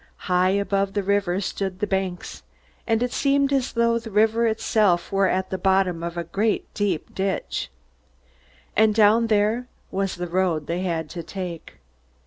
High above the river stood the banks, and it seemed as though the river itself were at the bottom of a great, deep ditch. And down there was the road they had to take.